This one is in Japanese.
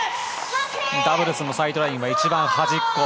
ダブルスのサイドラインは一番端っこ。